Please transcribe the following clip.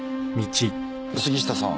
杉下さん